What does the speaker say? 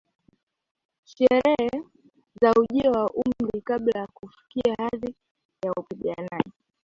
Sherehe za ujio wa umri kabla ya kufikia hadhi ya upiganaji